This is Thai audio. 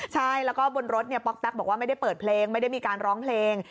ใช่แล้วก็บนรถป๊อกแก๊กบอกว่าไม่ได้เปิดเพลงไม่ได้มีการร้องเพลง